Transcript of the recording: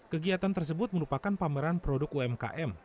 kegiatan tersebut merupakan pameran produk umkm